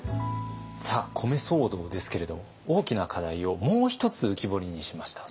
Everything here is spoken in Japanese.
さあ米騒動ですけれど大きな課題をもう一つ浮き彫りにしました。